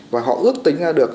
và họ ước tính ra được